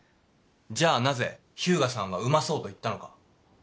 じゃあなぜ秘羽我さんが「うまそう」と言ったのか。